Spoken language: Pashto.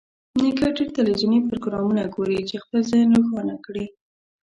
نیکه ډېر تلویزیوني پروګرامونه ګوري چې خپل ذهن روښانه کړي.